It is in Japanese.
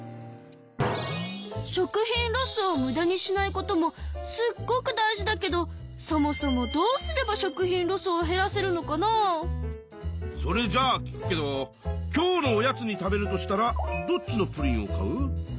食品ロスをムダにしないこともすっごく大事だけどそもそもそれじゃあ聞くけど今日のおやつに食べるとしたらどっちのプリンを買う？